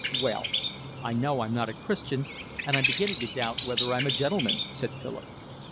"Well, I know I'm not a Christian and I'm beginning to doubt whether I'm a gentleman," said Philip.